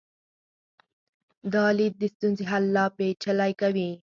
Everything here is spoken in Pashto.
دا لید د ستونزې حل لا پیچلی کوي.